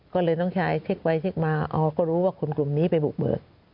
ก็เลยน้องชายเช็คไปเช็คมาอ๋อก็รู้ว่าคนกลุ่มนี้ไปบุกเบิก